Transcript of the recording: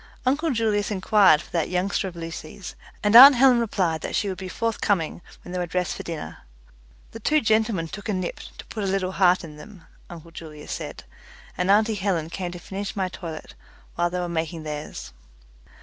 Uncle Julius inquired for that youngster of Lucy's, and aunt Helen replied that she would be forthcoming when they were dressed for dinner. The two gentlemen took a nip, to put a little heart in them uncle Julius said, and auntie Helen came to finish my toilet while they were making theirs.